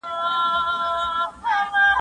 لا له ځان سره بوڼیږي چي تنها وي ..